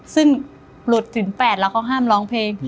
ซึ่งหลุดถึง๘แล้วเขาห้ามร้องเพลง